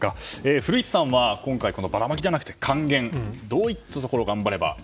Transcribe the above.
古市さんは今回、ばらまきじゃなくて還元どういったところを頑張れば。